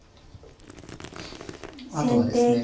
あとはですね